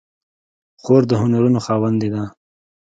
خور د هنرونو خاوندې ده.